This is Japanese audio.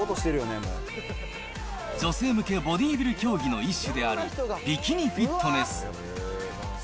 女性向けボディビル競技の一種であるビキニフィットネス。